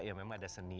ya memang ada seni